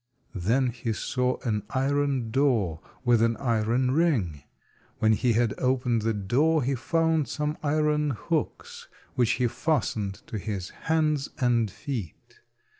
Then he saw an iron door with an iron ring. When he had opened the door he found some iron hooks which he fastened to his hands and feet.